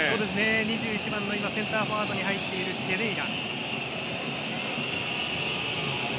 ２１番のセンターフォワードに入っているシェディラ。